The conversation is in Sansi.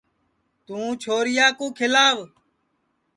توں چھوریا کُو کھیلاو